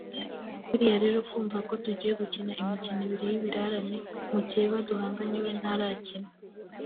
Biriya rero kumva ko tugiye gukina imikino ibiri y’ibirarane mukeba duhanganye we ntarakina